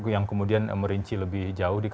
yang kemudian merinci lebih jauh di kpk